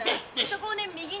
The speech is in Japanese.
そこをね右に。